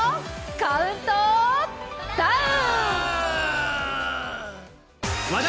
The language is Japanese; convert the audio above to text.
カウントダウン！